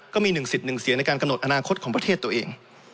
ก็มีหนึ่งสิทธิ์หนึ่งเสียงในการกำหนดอนาคตของประเทศตัวเอง